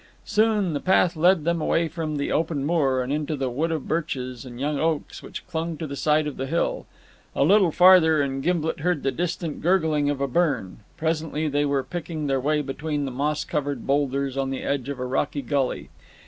Soon the path led them away from the open moor, and into the wood of birches and young oaks which clung to the side of the hill. A little farther, and Gimblet heard the distant gurgling of a burn; presently they were picking their way between moss covered boulders on the edge of a rocky gully.